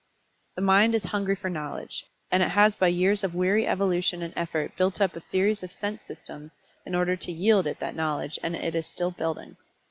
The Mind is hungry for knowledge, and it has by years of weary evolution and effort built up a series of sense systems in order to yield it that knowledge and it is still building.